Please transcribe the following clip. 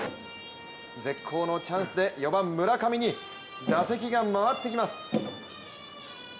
絶好のチャンスで４番・村上に打席が回ってきます。